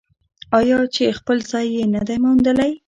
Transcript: آیا چې خپل ځای یې نه دی موندلی؟